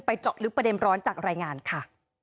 เจาะลึกประเด็นร้อนจากรายงานค่ะ